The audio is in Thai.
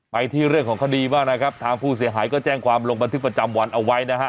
ไปที่เรื่องของคดีบ้างนะครับทางผู้เสียหายก็แจ้งความลงบันทึกประจำวันเอาไว้นะฮะ